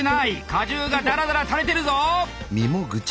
果汁がダラダラたれてるぞ！